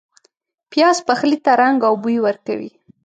پیاز پخلي ته رنګ او بوی ورکوي